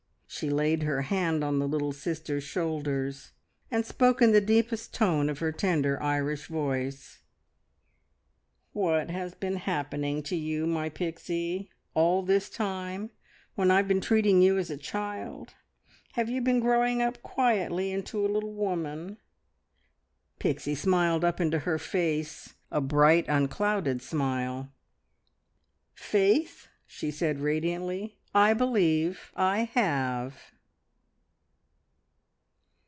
She laid her hand on the little sister's shoulders, and spoke in the deepest tone of her tender Irish voice "What has been happening to you, my Pixie, all this time when I've been treating you as a child? Have you been growing up quietly into a little woman?" Pixie smiled up into her face a bright, unclouded smile. "Faith," she said, radiantly, "I believe. I have!"